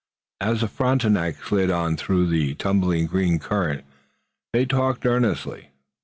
As the Frontenac slid on through the tumbling green current they talked earnestly.